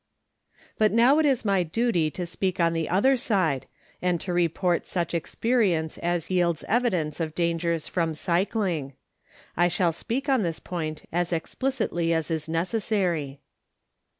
But now it is my duty to speak on the other side and to report such experience as yields evidence of dangers from cycling. I shall speak on this point as explicitly as is necessary.